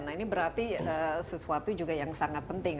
nah ini berarti sesuatu juga yang sangat penting